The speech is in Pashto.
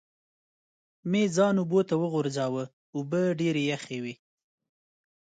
مې ځان اوبو ته وغورځاوه، اوبه ډېرې یخې وې.